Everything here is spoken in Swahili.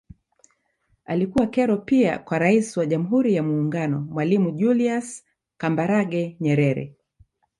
Alikuwa kero pia kwa Rais wa Jamhuri ya Muungano Mwalimu Julius Kambarage Nyerere